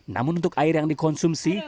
namun untuk air yang dikonsumsi